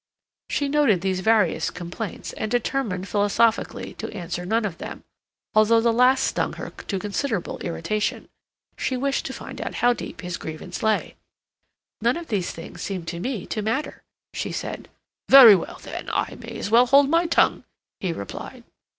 She noted these various complaints and determined philosophically to answer none of them, although the last stung her to considerable irritation. She wished to find out how deep his grievance lay. "None of these things seem to me to matter," she said. "Very well, then. I may as well hold my tongue," he replied.